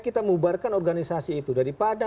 kita mubarkan organisasi itu daripada